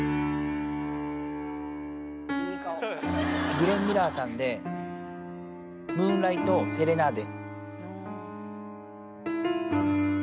グレン・ミラーさんで、ムーンライト・セレナーデ。